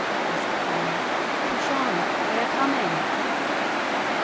was the cry. "Push on! They are coming!"